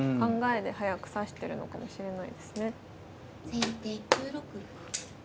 先手９六歩。